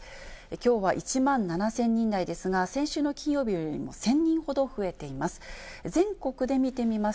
きょうは１万７０００人台ですが、先週の金曜日よりも１０００人ほど増えています。